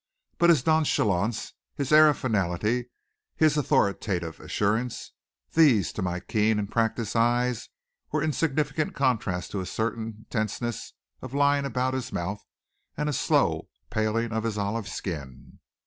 But his nonchalance, his air of finality, his authoritative assurance these to my keen and practiced eyes were in significant contrast to a certain tenseness of line about his mouth and a slow paling of his olive skin.